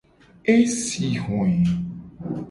E si hoe.